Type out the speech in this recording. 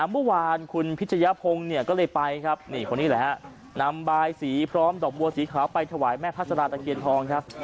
เมื่อวานคุณพิชยพงศ์เนี่ยก็เลยไปครับนี่คนนี้แหละฮะนำบายสีพร้อมดอกบัวสีขาวไปถวายแม่พัสราตะเคียนทองครับ